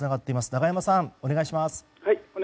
永山さん、お願いします。